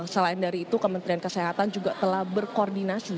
selain dari itu kementerian kesehatan juga telah berkoordinasi